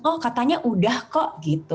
oh katanya udah kok